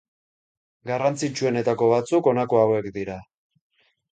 Garrantzitsuenetako batzuk, honako hauek dira.